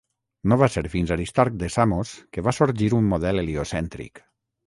No va ser fins Aristarc de Samos que va sorgir un model heliocèntric.